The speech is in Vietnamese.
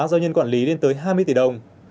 do nhân quản lý lên tới hai mươi tỷ đồng